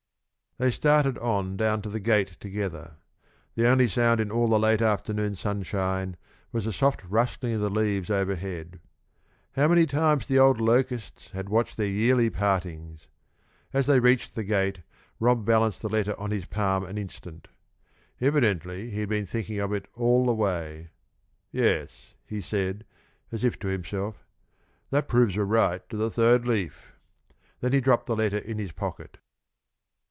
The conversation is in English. They started on down to the gate together. The only sound in all the late afternoon sunshine was the soft rustling of the leaves overhead. How many times the old locusts had watched their yearly partings! As they reached the gate, Rob balanced the letter on his palm an instant. Evidently he had been thinking of it all the way. "Yes," he said, as if to himself, "that proves a right to the third leaf." Then he dropped the letter in his pocket.